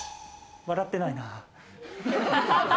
笑ってないな。